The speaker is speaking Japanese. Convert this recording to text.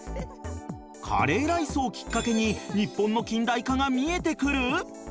カレーライスをきっかけに日本の近代化が見えてくる？